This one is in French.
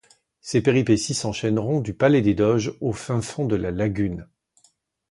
Ces péripéties s'enchaîneront du Palais des Doges au fin fond de la lagune.